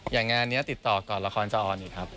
งานนี้ติดต่อก่อนละครจะออนอีกครับ